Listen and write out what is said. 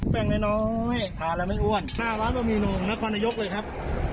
แป้งน้อยทานแล้วไม่อ้วนหน้าร้านบะหมี่นมนครนายกเลยครับ